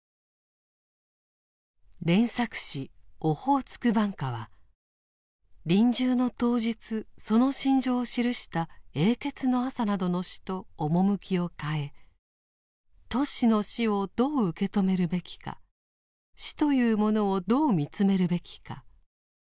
連作詩「オホーツク挽歌」は臨終の当日その心情を記した「永訣の朝」などの詩と趣を変えトシの死をどう受け止めるべきか死というものをどう見つめるべきか。